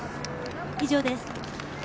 以上です。